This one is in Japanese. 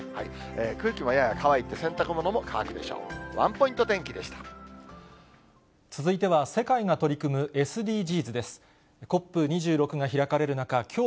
空気もやや乾いて、洗濯物も乾くでしょう。